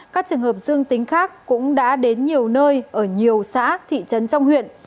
các trường hợp dương tính khác cũng đã đến nhiều nơi ở nhiều xã thị trấn trong huyện